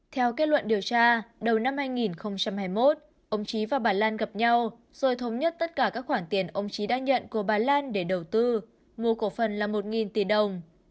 theo kết luận điều tra đầu năm hai nghìn hai mươi một ông trí và bà lan gặp nhau rồi thống nhất tất cả các khoản tiền ông trí đã nhận của bà lan để đầu tư mua cổ phần là một tỷ đồng